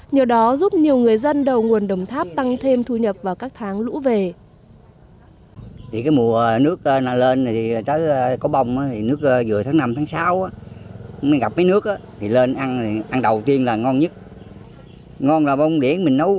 nhờ đó giúp nhiều người dân đầu nguồn đồng tháp tăng thêm thu nhập vào các tháng lũ về